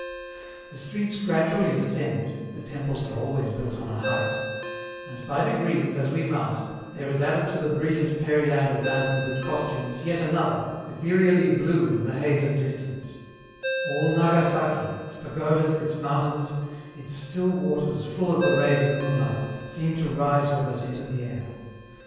The streets gradually ascend (the temples are always built on a height); and by degrees, as we mount, there is added to the brilliant fairyland of lanterns and costumes yet another, ethereally blue in the haze of distance; all Nagasaki, its pagodas, its mountains, its still waters full of the rays of moonlight, seem to rise with us into the air.